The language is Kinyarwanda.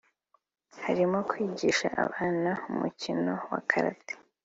harimo kwigisha abana umukino wa karate